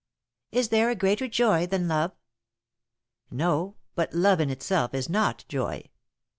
"Is there a greater joy than love?" "No, but love in itself is not joy.